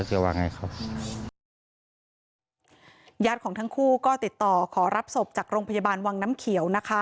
เขาจะว่ากับคนโตแล้ว